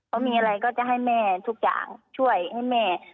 เขามีอะไรก็จะให้แม่ทุกอย่างช่วยให้แม่